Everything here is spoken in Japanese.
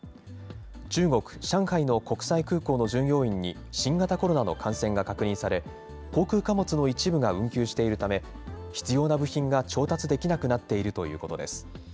中国・上海の国際空港の従業員に、新型コロナの感染が確認され、航空貨物の一部が運休しているため、必要な部品が調達できなくなっているということです。